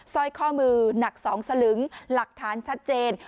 สร้อยข้อมือหนัก๒สลึงหลักฐานชัดเจน